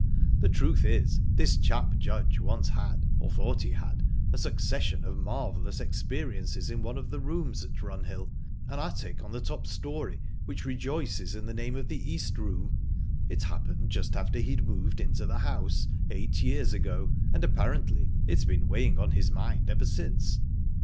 The truth is, this chap Judge once had or thought he had a succession of marvellous experiences in one of the rooms at Runhill; an attic on the top storey which rejoices in the name of the East Room. It happened just after he'd moved into the house, eight years ago, and apparently it's been weighing on his mind ever since.